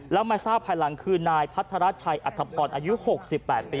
แล้วไม่ทราบภายหลังคือนายพัฒนาชายอัตภรรณอายุ๖๘ปี